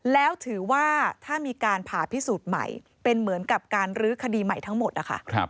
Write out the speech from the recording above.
แล้วถือว่าถ้ามีการผ่าพิสูจน์ใหม่เป็นเหมือนกับการลื้อคดีใหม่ทั้งหมดนะคะ